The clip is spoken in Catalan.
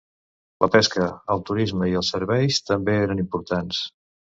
La Pesca, el turisme i els serveis també eren importants.